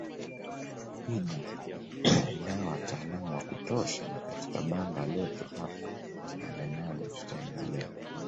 Jiji linao wataalam wa kutosha na katika banda letu hapa Nanenane tutaendelea